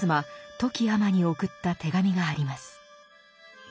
富木尼に送った手紙があります。